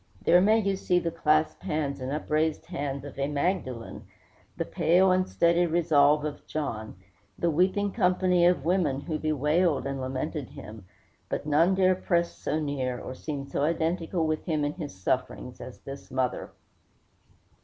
There may you see the clasped hands and upraised eyes of a Magdalen, the pale and steady resolve of John, the weeping company of women who bewailed and lamented him; but none dare press so near, or seem so identical with him in his sufferings, as this mother.